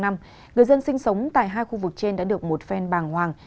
người dân sinh sống tại hai khu vực trên đã được một phen bàng hoàng